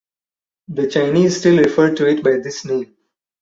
The Chinese still refer to it by this name.